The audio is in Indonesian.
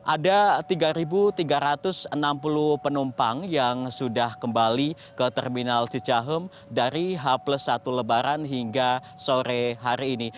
ada tiga tiga ratus enam puluh penumpang yang sudah kembali ke terminal cicahem dari h satu lebaran hingga sore hari ini